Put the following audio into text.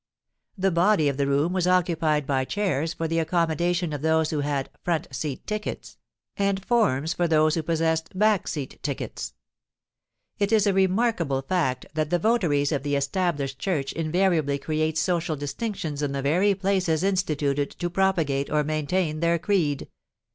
The body of the room was occupied by chairs for the accommodation of those who had "front seat tickets," and forms for those who possessed "back seat tickets." It is a remarkable fact that the votaries of the Established Church invariably create social distinctions in the very places instituted to propagate or maintain their creed.